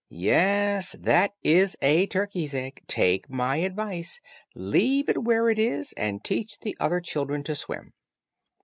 Yes, that is a turkey's egg; take my advice, leave it where it is and teach the other children to swim."